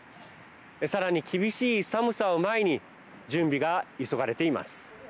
さらに厳しい寒さを前に準備が急がれています。